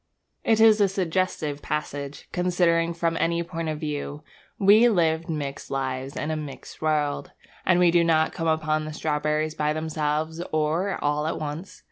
It is a suggestive passage, considered from any point of view We live mixed lives in a mixed world, and we do not come upon the strawberries by themselves or all at once.